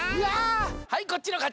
はいこっちのかち！